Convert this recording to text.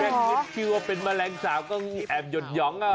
แปลกวิธีว่าเป็นแมลงสาบก็อาจอย่อนหย้อง